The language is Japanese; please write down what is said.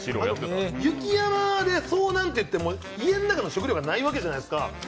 雪山で遭難っていっても家の中の食料がないわけじゃないですか。